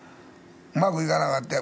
うまくいかなかった